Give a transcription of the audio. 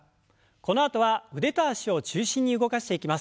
このあとは腕と脚を中心に動かしていきます。